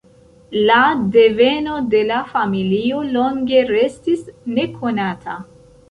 La deveno de la familio longe restis nekonata.